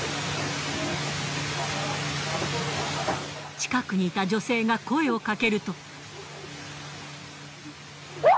近くにいた女性が声をかけると。